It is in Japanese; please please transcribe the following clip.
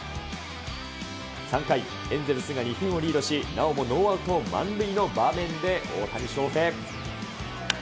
３回、エンゼルスが２点をリードし、なおもノーアウト満塁の場面で、大谷翔平。